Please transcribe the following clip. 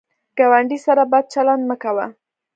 ګاونډي سره بد چلند مه کوه